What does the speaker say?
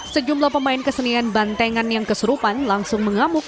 sejumlah pemain kesenian bantengan yang kesurupan langsung mengamuk